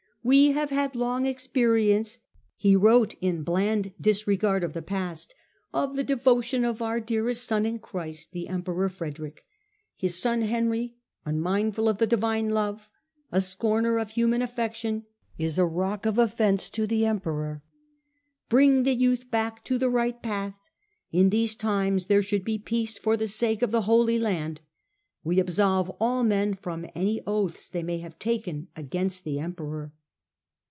" We have had long experience," he wrote, in bland disregard of the past, " of the devo tion of our dearest son in Christ, the Emperor Frederick. His son Henry, unmindful of the Divine love, a scorner of human affection, is a rock of offence to the Emperor. Bring the youth back to the right path : in these times there should be peace for the sake of the Holy Land. We absolve all men from any oaths they may have taken against the Emperor."